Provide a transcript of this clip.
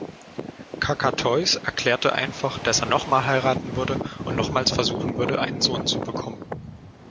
Cacatois erklärte einfach, dass er nochmal heiraten würde und nochmals versuchen würde, einen Sohn zu bekommen.